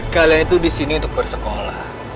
kalian itu disini untuk bersekolah